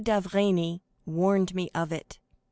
d'Avrigny warned me of it.